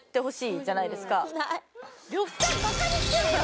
呂布さんバカにしてるよ。